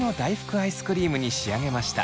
アイスクリームに仕上げました。